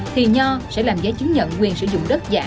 thì nho sẽ làm giấy chứng nhận quyền sử dụng đất giả